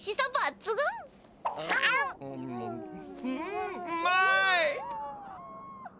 んうまい！